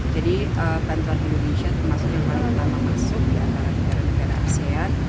jadi bantuan indonesia termasuk yang paling lama masuk di antara negara negara asean